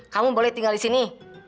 kamu boleh tinggal di sini